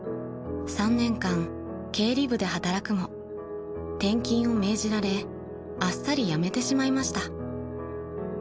［３年間経理部で働くも転勤を命じられあっさり辞めてしまいました］